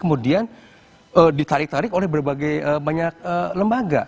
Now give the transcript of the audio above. kemudian persoalan pers ini kemudian ditarik tarik oleh berbagai banyak lembaga